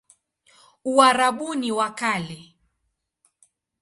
Uarabuni wa Kale